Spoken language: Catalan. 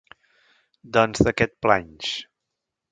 Doncs, de què et planys?